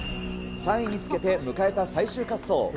３位につけて迎えた最終滑走。